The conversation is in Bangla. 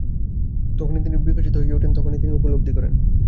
তখনই তিনি বিকশিত হইয়া উঠেন, তখনই তিনি উপলব্ধি করেন।